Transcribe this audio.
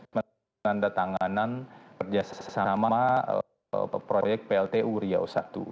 menandatanganan kerja sesama proyek plt uriah satu